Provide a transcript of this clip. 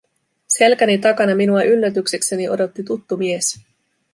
Selkäni takana minua yllätyksekseni odotti tuttu mies.